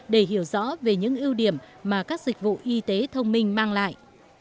để hiểu rõ về những ưu điểm mà các dịch vụ y tế thông minh mang lại